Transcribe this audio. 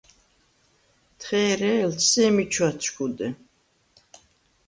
თხე̄რე̄ლ სემი ჩვადშგუდე.